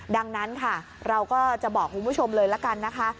ดังนั้นค่ะเราก็จะบอกคุณผู้ชมเลยละกันนะคะ